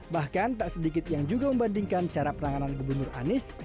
bahkan tak sedikit yang juga membandingkan cara penanganan gubernur anies